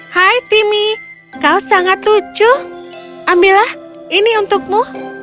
hai timmy kau sangat lucu ambillah ini untukmu